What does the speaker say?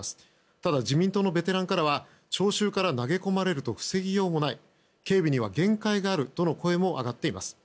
ただ、自民党のベテランからは聴衆から投げ込まれると防ぎようもない警備には限界があるとの声も上がっています。